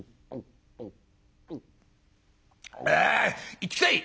「行ってきたい！」。